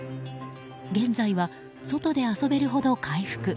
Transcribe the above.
現在は外で遊べるほど回復。